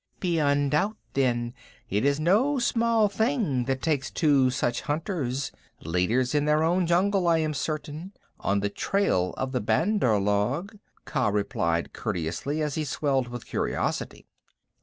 "Beyond doubt then it is no small thing that takes two such hunters leaders in their own jungle I am certain on the trail of the Bandar log," Kaa replied courteously, as he swelled with curiosity.